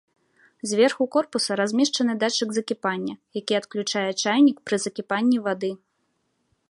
Зверху корпуса размешчаны датчык закіпання, які адключае чайнік пры закіпанні вады.